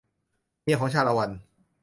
เมียของชาละวัน